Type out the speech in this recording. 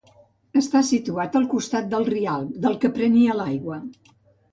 Està situat al costat del Rialb, del que prenia l'aigua.